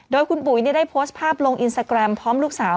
โดยคุณปุ๋ยได้โพสต์ภาพลงอินสตาแกรมพร้อมลูกสาว